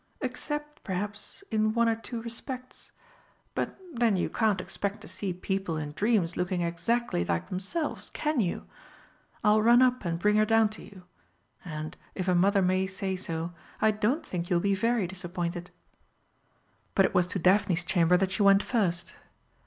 "Except, perhaps in one or two respects; but then you can't expect to see people in dreams looking exactly like themselves, can you? I'll run up and bring her down to you and, if a Mother may say so, I don't think you'll be very disappointed." But it was to Daphne's chamber that she went first.